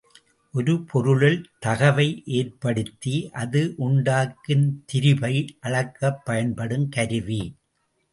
ஒரு பொருளில் தகைவை ஏற்படுத்தி அது உண்டாக்கும் திரிபை அளக்கப் பயன்படுங் கருவி.